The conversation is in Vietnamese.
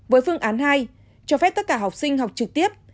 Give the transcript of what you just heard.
với phương án hai cho phép tất cả học sinh học trực tiếp